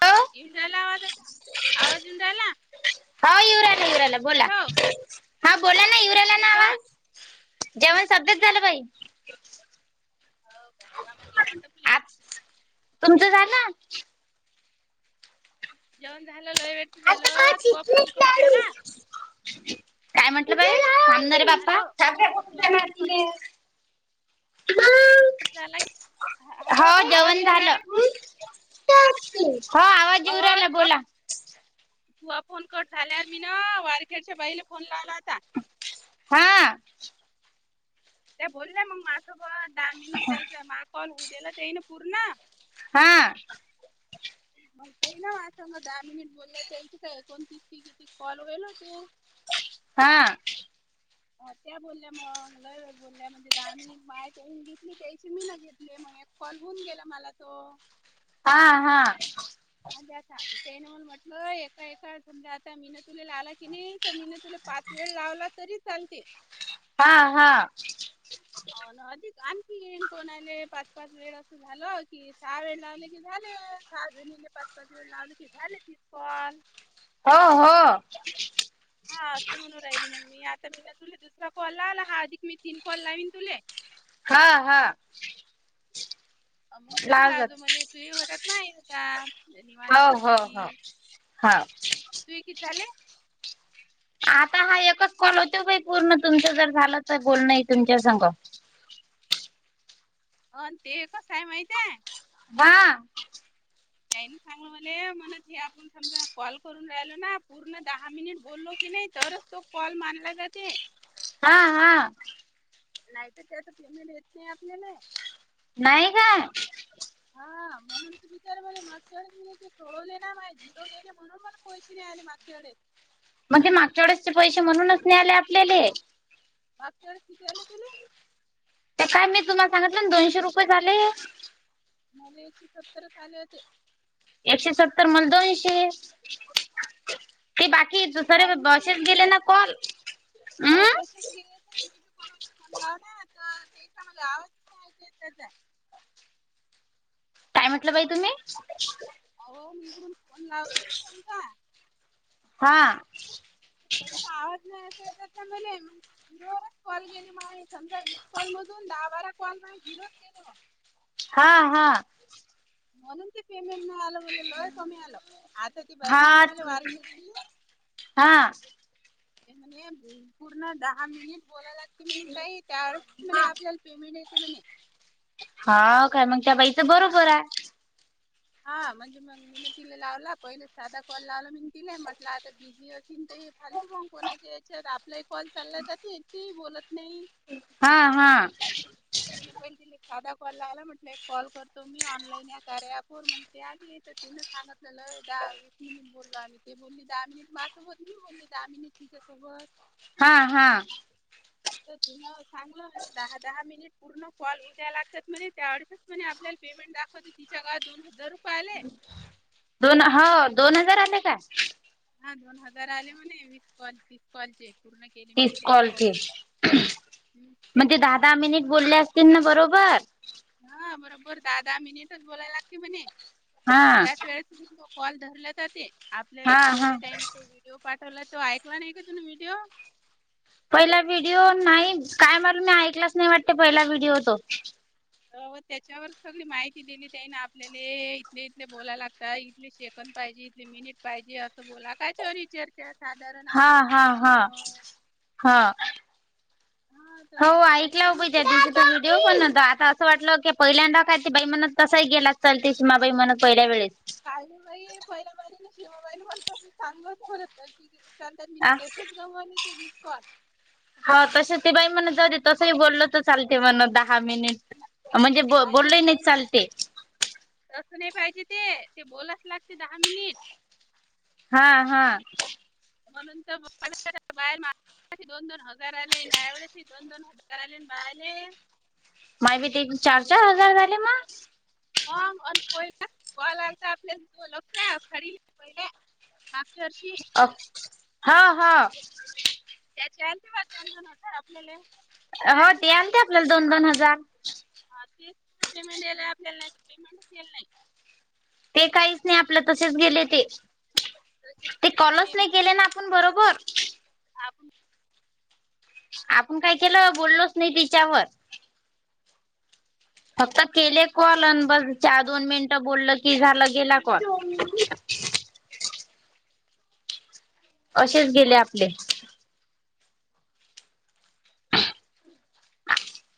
आ येऊन राहिला आवाज आता आवाज येऊन राहिला हो यू राहिला यू राहिला बोला हॅलो हा बोला ना राहिला झालं ना जेवण आवाज जेवण सध्याच झालं बाई हो काय काम बिम आटपले आ तुमचं झालं जेवण झालं लंय वेळचं झालं तूआ फोन कट झाला काय म्हंटलं बाई थांब ना रे हॅलो बाप्पा तुझा फोन क- ह- हॅलो हो आवाज जेवण येऊन झालं राहिला का तुले? हो आवाज येऊ आवाज राहिला पट बोला तुआ फोन कट झाल्यावर मी ना वारखेडच्या बाईला फोन लावला होता हा त्या बोलल्या मंग मा्यासोबत दहा मिनिट दयचय माग कॉल हो दिलं तेई ना पूर्ण हा म ते ना माझ सांग दहा मिनिट बोललं त्यायची काय एकोणतीस त किती कॉल होईल होते हा त्या बोलल्या मग लय वेळ बोलल्या मंजे दाहा मीनीट माया घेतले तैशी मीनं घेतले मग कॉल होऊन गेला मला तो हा हा ह्या सांग तेन म म्हटलं एका एका समजा आता मीनं तुला लावला की नाही तर मीनं तुला पाच वेळ लावला तरी चालते हा हा हो ना अधिक आणखीन कोनाले पाच पाच वेळ अस झाल की सहा वेळा लावले की झालं सहा जनींना पाच पाच वेळा लावलं की झाले तीस कॉल हो हो हा असं म्हणू राहिले मगं मी आता मी ना तुले दुसरा कॉल लावला हा अधिक मी तीन कॉल लाविन तुले हा हा मग तूही लावायचे लावजात मले तूही होतात माये होतात निवांत हो असली हो हो हा तु हे किती झाले आता हा एकच कॉल होतो बई पूर्ण तुमचं जर झालं तर बोलणये तुमच्या संघ अन ते कसाय माहिते आय? वा त्यानी सांगलं मले म्हण हे आपण समजा कॉल करून राहिलो ना आप पूर्ण दहा मिनिट बोललो कीनय तरच तो कॉल मानला जाते. हा हा. नाही तर त्याचं पेमेंट येत नई आपल्याले नाही काय? हा म्हणून की [unintelligible] तिच्या [unintelligible] मला मागच्या वेळेस मी ते सोडवले ना, माय झिरो गेले म्हणून मला पैसे नाही आले मागच्या वेळेस मंग ते मागच्या वेळेसचे पैसे म्हणूनच नाही आले आपल्याले मागच्या वेळेस किती आले तुला? अ काय माहित तुमाल सांगितल ना तुला दोनशे रुपयच झाले. मले एकशे सत्तरच आले होते. एकशे सत्तर मला दोनशे ते बाकी दुसरे काही नाही बासेच ते गेले माझे ना कॉल, उम्म [unintelligible] मी बी कोणा [unintelligible] फोन लाव ना त तेचा मले आवाजच नाय ऐकू येत त्याचा काय म्हटलं बाई तुम्ही? अहो मी इकडून फोन लाव [unintelligible] समजा हा. त्याइचा आवाज नई [unintelligible] मले मंग [unintelligible] झिरोवरच कॉल गेले माय, समजा वीस कॉल मधून दहा बारा कॉल माय झिरोच गेले मग हा हा. म्हणून ते पेमेंट न्हाई आल, मले लय कमी आलं, आता ती बाई म्हणे हा मला वारख्याची हा. ते म्हणे [unintelligible] पूर्ण दहा मिनिट बोलाय लागते म्हणी ताई, त्यावेळेच म्हणे आपल्याल पेमेंट येते म्हणे हा काय मंग त्या बाईचं हा बरोबराय हा म्हणजे मग मीन तिला लावला, पहिले साधा कॉल लावला मंग तिला म्हटलं आता [unintelligible] हे तीन तई फालतू [unintelligible] कोणाच्या हाच्यात, आपलाही कॉल चालला जाते ती ही बोलत नाही. हा हा. मग मीन पहिले तिले एक साधा कॉल लावला म्हटले एक कॉल करतो मी, ऑनलाइन या कार्या ॲपवर ते आधी येत तिन सांगितलेलं दहावी एक मिनिट बोललो आम्ही, ते बोलली दहा मिनिट माझ्यासोबत, मी बोलली दहा मिनिट तिच्यासोबत हा हा. तर तिनं सांगल [unintelligible] दहा दहा मिनिट पूर्ण कॉल हूद्या लागत्यात म्हणे, त्या अ [unintelligible] म्हणे आपल्याल पेमेंट दाखवते, तिच्या गळात दोन हजार रुपये आले. दोन हौ दोन हजार आले का? हा दोन हजार आले म्हणे, वीस कॉल तीस कॉलचे पूर्ण केले म्हणे तीस त्यायन कम्प्लिट, हम्म मग ते दहा दहा मिनिट बोलले असतील ना बरोबर हा बरोबर दहा दहा मिनिटच बोलाय लागते म्हणे हा त्याच वेळेस [unintelligible] तो कॉल धरला जाते आपल्याला हा ते हा पहिल्या टायनाचा व्हिडिओ पाठवला तो ऐकला नाही का तुम्ही व्हिडिओ? पहिला व्हिडिओ नाही, काय मालुम मी ऐकलाच नाही वाटत पहिला व्हिडिओ तो अव त्याच्यावर सगळी माहिती दिली त्यायन आपल्याले इथले इथले बोलायला लागता इथले शे कण पाहिजे, इथले मिनिट पाहिजे असं बोला, काय चरी चर्चा साधारण हा आपले हा जीवन हा चरणीवर हा. हा तर हौ ऐकलाव त्याच्यानंच त्या मग दिवशी तो व्ही [unintelligible] फोन [unintelligible] आता असं वाटलं के पहिल्यांदा काय ते बाई म्हणलं तसहि गेला चालते, सीमाबाई म्हणत पहिल्या वेळेस काय ग बाई पहिल्या बारी ने सीमाबाई भलतंच सांगत फिरत होती चालतात मी ना आ तसेच गमा ते वीज पात हो तस ते बाई म्हण जाऊदे, तसही बोलल तर चालते म्हण दहा मिनिट म्हणजे ब बोललं नाही चालते तसं नाही पाहिजे ते ते बोलाच लागते दहा मिनिट हा हा म्हणून तर पण बाहेर मागाशी दोन- दोन हजार आले न यावेेळेस दोन -दोन हजार आले बाले माय बी ते चार चार हजार झाले मा मग प कॉल आता आपल्यास दो लक्ष खरी पहिले मागच्या वर्षी. अ हा हा त्याच्यांतबाद दोन दोन होत आपलेल हो ते आणते आपल्याला दोन दोन हजार. हा तेच पेमेंट यायलाल आपल्याला नाही तर पेमेंटच केल नाही. ते काहीच नाही आपलं तसेच गेले ते तसेच ते गेले कॉलस होते नाही गेले ना? पण बरोबर आ- आपण काय केलं बोललोच नाही तिच्यावर फक्त केले कॉल अ बस चार दोन मिनिटं बोलल की झालं गेला कॉल असेच गेले आपले-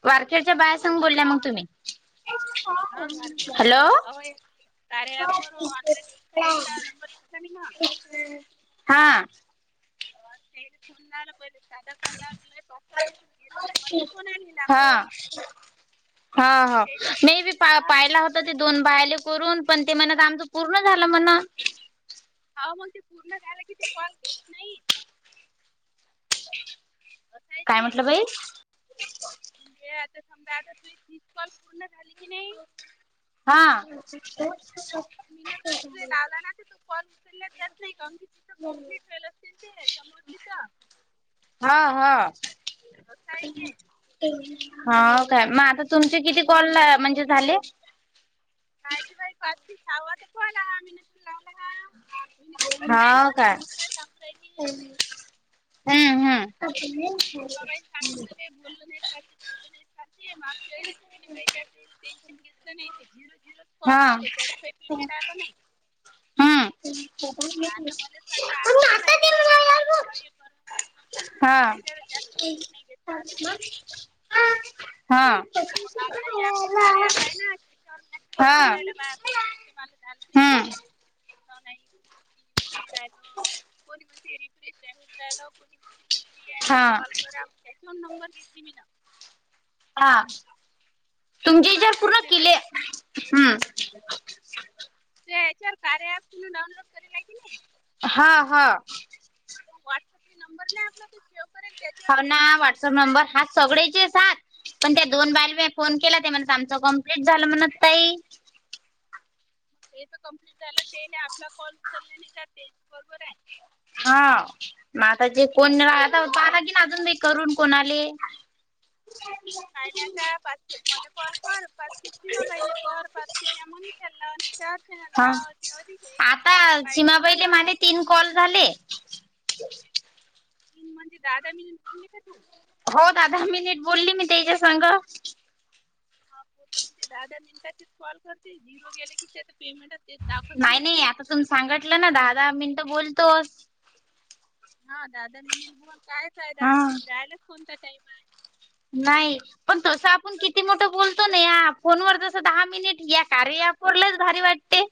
वारखेडच्या बायासग बोलल्या मग तुम्ही हा मार्केट हॅलो अहो एक कार्या ॲप वर ऑनलाईन त्याचा नंबर दिसला नाही ना [inaudible] हा अ ते फोन ना बर? ददा कोलाल पॉ नंबर घेतली म्हटलं कोण आली हा लागो हा तर ह मग त्याचा नाही नंबर बी पा घेतला पाहिला होता ते दोन बायले करून पण ते म्हणत आमचं पूर्ण झालं म्हण? हो मग ते पूर्ण झायला की ते कॉल घेत नाही? असं आहे काय ते म्हटलं बाई म्हणजे आता समजा आता तु तीस कॉल पूर्ण झाली की नाही हा मीन जर तुर लावला ना तर कॉल उचलला जात नाही म तथ कंप्लीट वल असतील ते समोर तिथ हा हा असं आहे ते हो काय मग आता तुमचे किती कॉल म्हणजे झाले? कायचे बा क साव तर कोण आम्ही? हा नव्हती काय तू सांगू राहिली हम्म हम्म की बाबा चांगलं मला बोलल नाही चालते बोललं नाही चालते मागच्या व तुी काही त्यावढ टेन्शन घेतलं नाही ते झिरो झिरो हा कॉल गेले त्यात काही पेमेंट आलं नाही? [unintelligible] आणि आता मलाच वाटलं आताच काय येईल [inaudible] पेमेंट बसा हे करून म्हणून मम्मीनं काही हा त्याला जास्त मूड नाही घेतला आता [inaudible] मग आता हे आपलं हा कार्या ॲप आहे ना -हा ल झालं नाही हम्म कोण नाही कोणीण नाही राहि कोणी म्हणते. फ्रेश आहेनडायला कोणी म्हण मी फ्री आहे हा मला कॉल करा त्याच्याून नंबर घेतली मी न हा हा तुमचे ज्या पूर्ण वारखेडचेला किल्ले हम्म त एच्यार कार्याॲप तु डाऊनलोड करी ला की नाही हा हा मग व्हॉट्सअपले नंबर नाही आपला शेव हा ना व्हॉट्सअप नंबर हाच सगळेचेस हाच पण त्या दोन बाया फोन केला ते म्हणत आमच कम्प्लीट झालं म्हणत ताई. ते तर कंप्लीट झालं ते नाही आपला कॉल उचलल्याने तर तेच बरोबर आहे. हा म आताचे कोण आता हा पा आला की ना ज्याचे अजून कम्प्लीट करून कोणाले? पाहिल्या का पाच खेप मला कॉल कर पाच खेप सीमाबाईले कर पाच खेप या म्हनील् लाव चर्चन हा नाशी ओध आता सीमाबाईले माझे तीन कॉल झाले तीन म्हणजे दादा मिनिट बोल नाही का तू हो दा दहा दहा मिनिट बोलली मी त्याच्या संग बोल म्हणजे दहा दहा मिनिटाचीच कॉल करते झिरो गेले की ते पेमेंट ते दाखत नाहीत ते. तुम सांगटलं ना दहा दहा मिनटं बोलतो हा दहा दहा मिनिट काय बोलून फायदा हा मी बॅलन्स कोणता? टाइम आहे नाही पण तसं आपण किती मोठं बोलतो ना या फोन वर जसं दहा मिनिट या कार्य अँप वर लईच भारी वाटतय.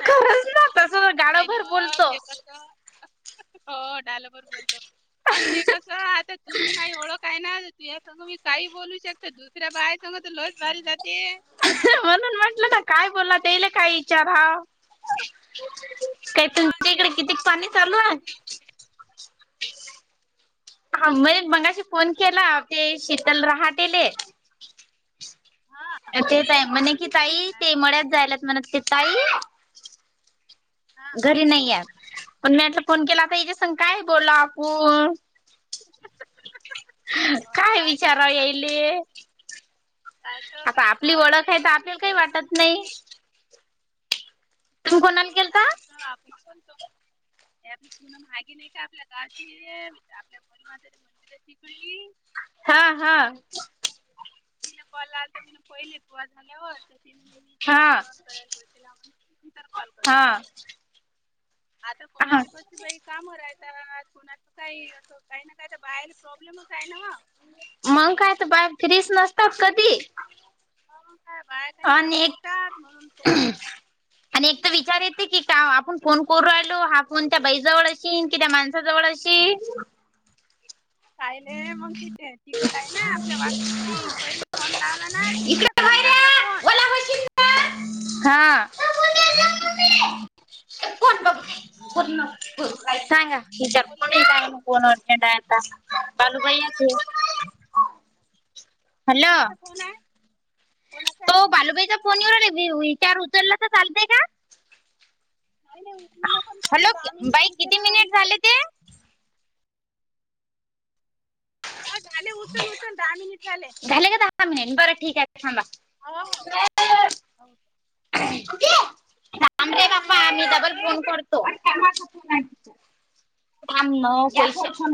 नाही ना तस नाही गाडोभर ओ बोलतो ते कस हो डायलॉग बर बोलतो. आणि ते कसं आता तुझी न माझी ओळख आहे ना तुझ्या सगं मी काही बोलू शकते. तर दुसऱ्या बाय सगं तर लईच भारी जाते. म्हणून म्हंटलं ना काय बोला येल काय विचार हा का. हा, आणि तुमच्या इकडे त्याची आणि किती आपली पाणी ते चालू आहे. ओळख. ह मग मगाशी फोन केला ते शीतल रहाटेले हा, ते ताई म्हणे की ताई काय ते म्हणते? मळ्यात जायलात म्हण ते ताई हा. घरी नाही आहे पण म्या तर फोन केला आता याच्या सग काय बोला आपुण. हो ना काय बाय तसं विचारा चालत ते येले.? पण काय तर आता काय आपली गावातले ओळख आहे तर ना ही आपल्याला काही पूनम वाटत नाही. हागे तुम्ही आपली कोणाला ओळख केलता? तस आपण बोलतो. आपली पुनम हाय नाही का आपल्या गाची हे आपल्या मुली मात मंदिराची कडली. हा हा. तिला कॉल आलता तर मी पयले कॉल झाल्या वर. तर म्ह मी काही हा जेवण करायला बसेल ह म्हण नंतर कॉल करतीया. आता हा कोणाचे कसे बाई. कामावर आहे ता कोणाचं काही असं काही ना काय बाहेर प्रॉब्लेमच आहे नव्ह. मंग काय तर बाया फ्रीश नसतात कधी? काय बायकानी आणि एक फिसाद म्हणून प. आणि एक तर विचार येते की का आपण फोन करू राहिलो हा फोन त्या बाई जवळ अशीन की त्या माण जवळ अशीन. काहिले मग तिथे तिकट आहे ना आपल्या मार्केटची पहिले फोन लावला ना तिच्या घरी लागला फोण. हा. पूर्ण का सांगा जप बोलले काय. कोण अर्जंट आहे आता बालूबाई अस हॅलो कोणाचा फोन आहे कोणाचा आहे तो बालूबाईचा फोनवर विचार उचलला तर चालतय का? नाही. उचलू नको आणि थांब ना हॅलो दहा मिनिट बाई होऊ दे किती ना मिनिट आमचे. झाले ते? हो झाले उचल उचल दहा मिनिट झाले. झाले का दहा मिनिट बरं ठीक आहे थांबा. हा हो का. आम रे बा्पा मी डबल फोन करतो. काम न पैसे